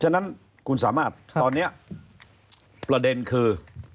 ฉะนั้นคุณสามารถตอนนี้ประเด็นคือ